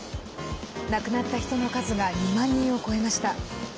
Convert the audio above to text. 亡くなった人の数が２万人を超えました。